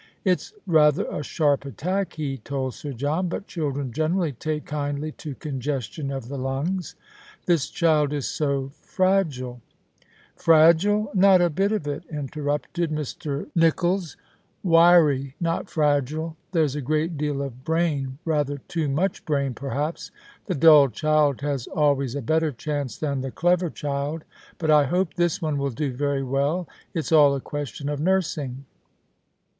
" It's rather a sharp attack," he told 8ir John. " But children generally take kindly to congestion of the lungs." " This child is so frao ile " 202 The Christmas Hirelings. " Fragile ! Not a bit of it," interrupted Mr. Nicholls. " Wiry, not fragile. There's a great deal of brain, rather too much brain, perhaps. The dull child has always a better chance than the clever child. But I hope this one will do very well. It's all a question of nursing.